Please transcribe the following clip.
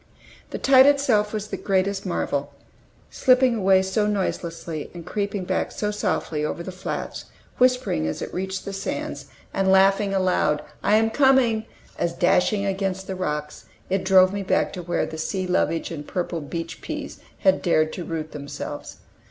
The tide itself was the greatest marvel, slipping away so noiselessly, and creeping back so softly over the flats, whispering as it reached the sands, and laughing aloud "I am coming!" as, dashing against the rocks, it drove me back to where the sea lovage and purple beach peas had dared to root themselves.